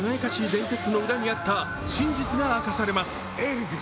伝説の裏にあった真実が明かされます。